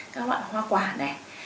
các loại hoa quả này